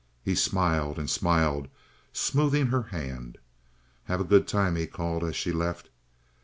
He smiled and smiled, smoothing her hand. "Have a good time," he called, as she left.